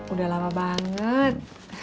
udah lama banget